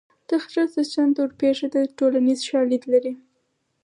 د خره څښتن ته ورپېښه ده ټولنیز شالید لري